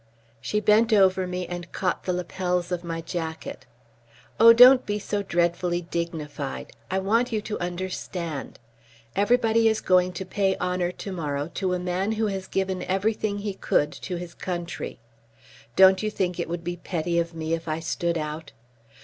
She bent over me and caught the lapels of my jacket. "Oh, don't be so dreadfully dignified. I want you to understand. Everybody is going to pay honour to morrow to a man who has given everything he could to his country. Don't you think it would be petty of me if I stood out?